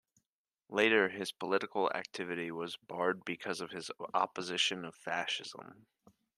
Later his political activity was barred because of his opposition of Fascism.